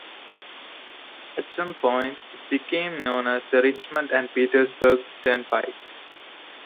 At some point it became known as the Richmond and Petersburg Turnpike.